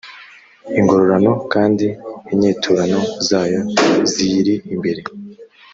ingororano kandi inyiturano zayo ziyiri imbere